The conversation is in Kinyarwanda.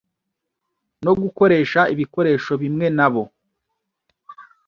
no gukoresha ibikoresho bimwe nabo